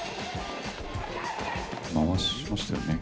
回しましたよね。